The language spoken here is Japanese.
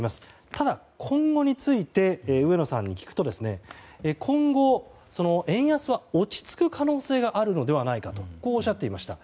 ただ、今後について上野さんに聞くと今後、円安は落ち着く可能性があるのではないかとこうおっしゃっていました。